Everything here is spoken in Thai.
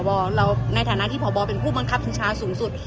พอบอเราในฐานะที่พอบอเป็นผู้มันคับสินชาสูงสุด